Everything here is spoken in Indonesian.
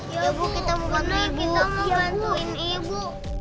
ya bu kita mau bantuin ibu